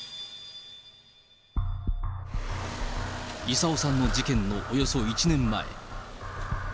勇夫さんの事件のおよそ１年前。